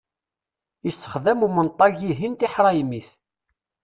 Issexdam umenṭag-ihin tiḥraymit.